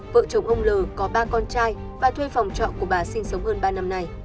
vợ chồng ông l có ba con trai và thuê phòng trọ của bà sinh sống hơn ba năm nay